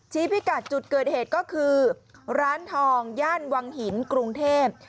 พิกัดจุดเกิดเหตุก็คือร้านทองย่านวังหินกรุงเทพ